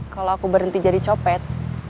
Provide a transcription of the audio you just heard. kalau aku berhenti jadi copet